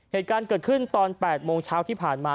เหตุการณ์เกิดขึ้นตอน๘โมงเช้าที่ผ่านมา